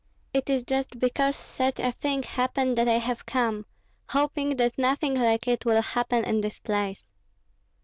"It is just because such a thing happened that I have come, hoping that nothing like it will happen in this place."